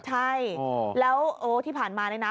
ใช่แล้วโอ้ที่ผ่านมาเนี่ยนะ